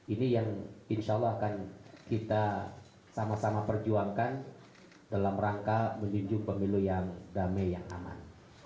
ini yang insya allah akan kita sama sama perjuangkan dalam rangka menuju pemilu yang damai yang aman